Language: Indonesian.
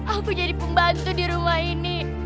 aku jadi pembantu di rumah ini